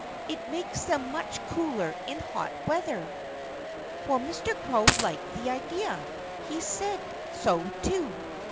It makes them much cooler in hot weather." Well, Mr. Crow liked the idea. He said so, too.